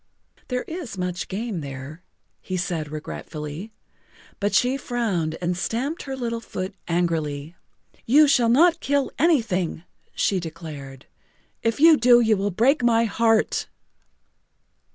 "There is much game there," he said regretfully. But she frowned and stamped her little foot angrily. "You shall not kill anything," she declared. "If you do you will break my heart."